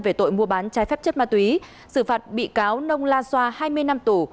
về tội mua bán trái phép chất ma túy xử phạt bị cáo nông la xoa hai mươi năm tù